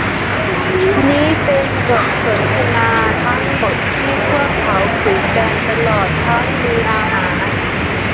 นี่เป็นบทสนทนาทั้งหมดที่พวกเขาคุยกันตลอดทั้งมื้ออาหาร